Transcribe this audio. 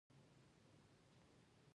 د لیکني څو جملې په شپږم مخ کې شته.